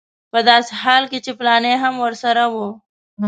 په داسې حال کې چې فلانی هم ورسره و.